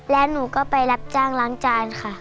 แล้วหนูก็ไปรับจ้างล้างจานค่ะ